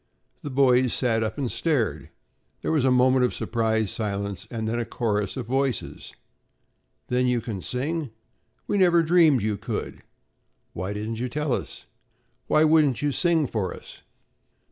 The boys sat up and stared. There was a moment of surprised silence and then a chorus of voices: "Then you can sing?" "We never dreamed you could." "Why didn't you tell us?" "Why wouldn't you sing for us?"